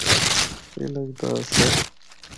اے لگدا آسا۔